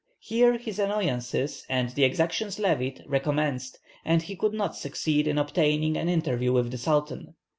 Here his annoyances and the exactions levied recommenced, and he could not succeed in obtaining an interview with the Sultan.